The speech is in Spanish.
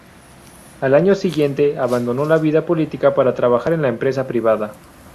Al año siguiente abandonó la vida política para trabajar en la empresa privada.